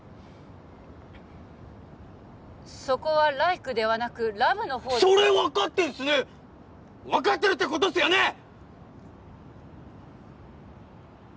そこはライクではなくラブのほうそれ分かってんすね分かってるってことっすよね！